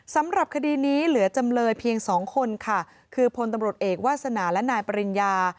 สำหรับคดีนี้เหลือจำเลยเพียงสองคนค่ะคือพลตำรวจเอกวาสนาและนายปริญญา